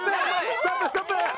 ストップストップ！